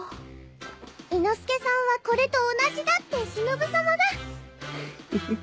伊之助さんはこれと同じだってしのぶさまが。フフッ。